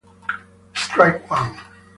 Strike One